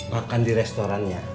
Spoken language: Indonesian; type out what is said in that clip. makan di restorannya